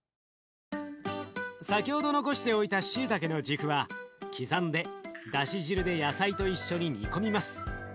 先ほど残しておいたしいたけの軸は刻んでだし汁で野菜と一緒に煮込みます。